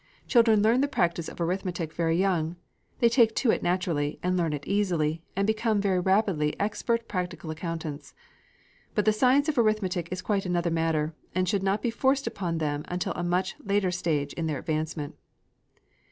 Children learn the practice of arithmetic very young. They take to it naturally, and learn it easily, and become very rapidly expert practical accountants. But the science of arithmetic is quite another matter, and should not be forced upon them until a much later stage in their advancement.